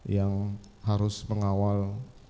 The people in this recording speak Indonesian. yang harus mengawal rikir rizal kan itu apa